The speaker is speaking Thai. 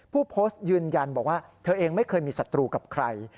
ผู้โพสต์ยืนยันบอกว่าเธอเองไม่เคยมีศัตรูกับใคร